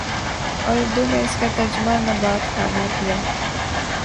اور اردو میں اس کا ترجمہ نبات خانہ کیا